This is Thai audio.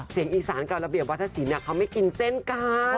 เสียงอีสานกับระเบียบวัฒนศิลป์เขาไม่กินเส้นกัน